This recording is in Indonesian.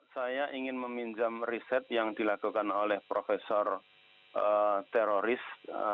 saya ingin meminjam riset yang dilakukan oleh profesor teroris